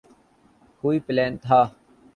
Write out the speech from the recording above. کوئی پلان تھا۔